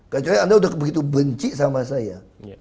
kecuali anda sudah begitu benci sama saya